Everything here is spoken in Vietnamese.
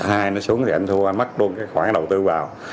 anh xuống thì anh thua anh mất luôn cái khoản đầu tư vào